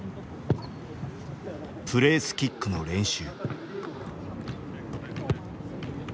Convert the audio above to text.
プレースキックの練習。